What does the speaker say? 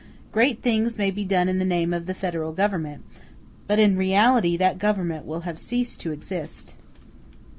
Great things may then be done in the name of the Federal Government, but in reality that Government will have ceased to exist.